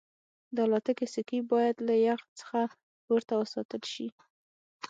د الوتکې سکي باید له یخ څخه پورته وساتل شي